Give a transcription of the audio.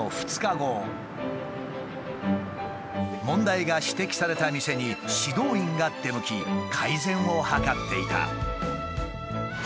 問題が指摘された店に指導員が出向き改善を図っていた。